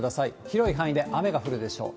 広い範囲で雨が降るでしょう。